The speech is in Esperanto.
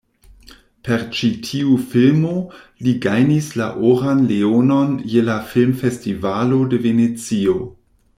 Per ĉi tiu filmo li gajnis la oran leonon je la Filmfestivalo de Venecio.